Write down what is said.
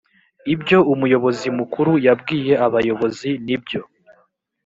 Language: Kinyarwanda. ibyo umuyobozi mukuru yabwiye abayobozi ni ibyo